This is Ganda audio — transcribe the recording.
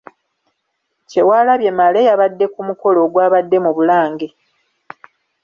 Kyewalabye Male yabadde ku mukolo ogwabadde mu Bulange.